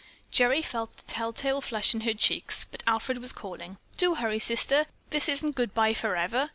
Gerry felt the tell tale flush in her cheeks, but Alfred was calling, "Do hurry, Sister. This isn't good bye forever."